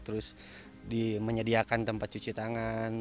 terus menyediakan tempat cuci tangan